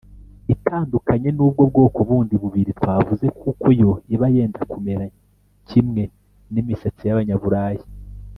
itandukanye n’ubwo bwoko bundi bubiri twavuze kuko yo iba yenda kumera kimwe n’imisatsi y’Abanyaburayi